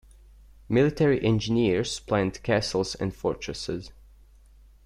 Military engineers planned castles and fortresses.